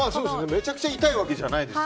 めちゃくちゃ痛いわけじゃないです。